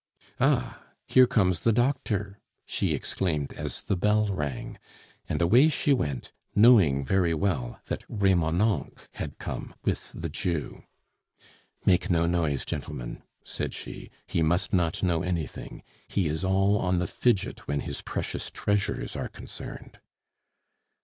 "Ah! here comes the doctor!" she exclaimed, as the bell rang, and away she went, knowing very well that Remonencq had come with the Jew. "Make no noise, gentlemen," said she, "he must not know anything. He is all on the fidget when his precious treasures are concerned."